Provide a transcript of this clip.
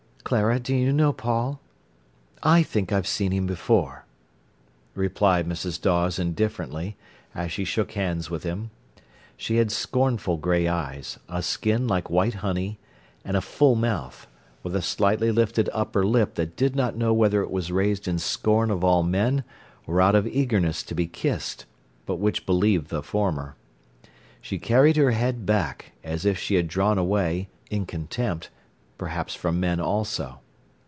"Clara, do you know Paul?" "I think I've seen him before," replied Mrs. Dawes indifferently, as she shook hands with him. She had scornful grey eyes, a skin like white honey, and a full mouth, with a slightly lifted upper lip that did not know whether it was raised in scorn of all men or out of eagerness to be kissed, but which believed the former. She carried her head back, as if she had drawn away in contempt, perhaps from men also.